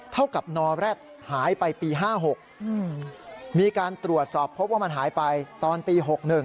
เท่ากับนอแร็ดหายไปปี๕๖มีการตรวจสอบพบว่ามันหายไปตอนปี๖๑